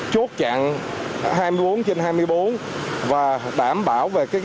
chốt chặn hai mươi bốn trên hai mươi bốn và đảm bảo về